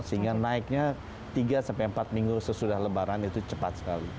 karena naiknya tiga empat minggu sesudah lebaran itu cepat sekali